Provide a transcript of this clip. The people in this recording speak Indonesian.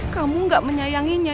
kamu gak menyayanginya